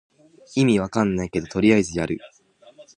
意味わかんないけどとりあえずやる